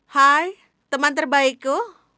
hai teman terbaikku